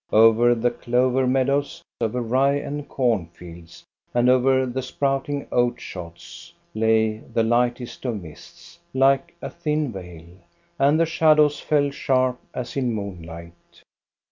Over the clover meadows, over rye and corn fields, and over the sprouting oat shoots, lay the lightest of mists, like a thin veil, and the shadows fell sharp as in moonlight.